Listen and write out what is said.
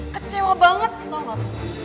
kecewa banget tau gak